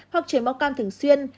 hoặc trẻ máu cam thường xuyên